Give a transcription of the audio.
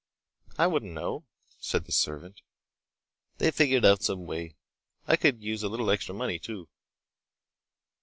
"I wouldn't know," said the servant. "They've figured out some way. I could use a little extra money, too."